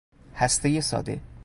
هسته ساده